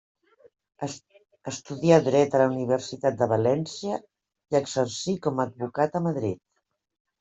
Estudià dret a la Universitat de València i exercí com a advocat a Madrid.